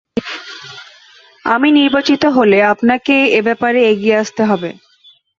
আমি নির্বাচিত হলে, আপনাকে এব্যাপারে এগিয়ে আসতে হবে।